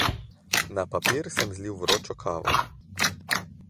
Na papir sem zlil vročo kavo.